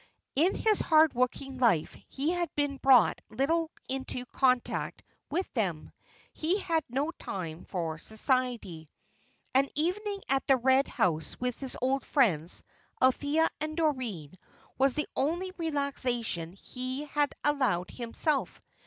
In his hard working life he had been brought little into contact with them. He had no time for society. An evening at the Red House with his old friends, Althea and Doreen, was the only relaxation he had allowed himself.